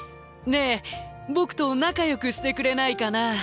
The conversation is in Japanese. ねえ僕と仲よくしてくれないかな。